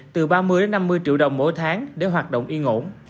từ ba mươi năm mươi triệu đồng mỗi tháng để hoạt động y ngộn